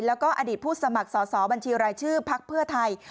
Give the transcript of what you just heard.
แล้วก็อดีตผู้สมัครสอสอบัญชีรายชื่อพักเพื่อไทย